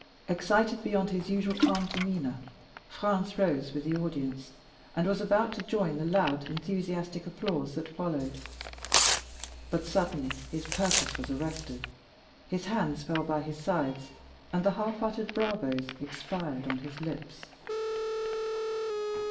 Excited beyond his usual calm demeanor, Franz rose with the audience, and was about to join the loud, enthusiastic applause that followed; but suddenly his purpose was arrested, his hands fell by his sides, and the half uttered "bravos" expired on his lips.